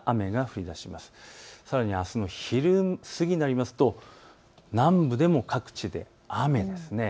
さらにあすの昼過ぎになりますと南部でも各地、雨です。